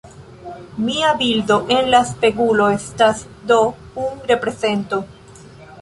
Mia bildo en la spegulo estas do un reprezento.